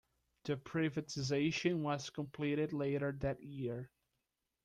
The privatization was completed later that year.